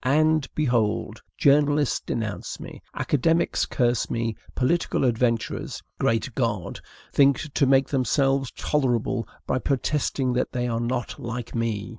And, behold! journalists denounce me, academicians curse me, political adventurers (great God!) think to make themselves tolerable by protesting that they are not like me!